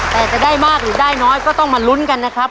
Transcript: แต่จะได้มากหรือได้น้อยก็ต้องมาลุ้นกันนะครับ